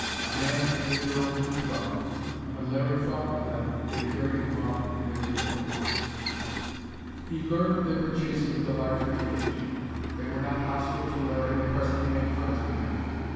A man and a girl leaped from it; and, when Larry fought with them, they carried him off in their vehicle. He learned they were chasing the larger cage. They were not hostile to Larry and presently made friends with him.